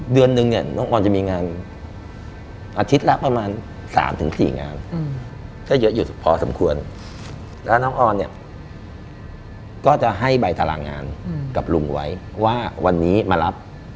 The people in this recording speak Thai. เดือนนึงเนี่ยน้องออนจะมีงานอาทิตย์ละประมาณ๓๔งานก็เยอะอยู่พอสมควรแล้วน้องออนเนี่ยก็จะให้ใบตารางงานกับลุงไว้ว่าวันนี้มารับ